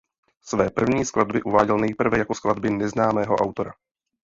Své první skladby uváděl nejprve jako skladby neznámého autora.